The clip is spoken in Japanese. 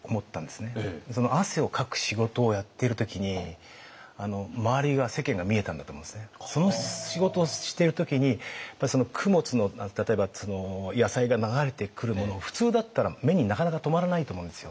その汗をかく仕事をやっている時にその仕事をしている時に供物の例えば野菜が流れてくるものを普通だったら目になかなか留まらないと思うんですよ。